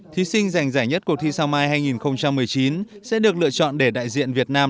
thí sinh giành giải nhất cuộc thi sao mai hai nghìn một mươi chín sẽ được lựa chọn để đại diện việt nam